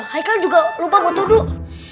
haikal juga lupa buat duduk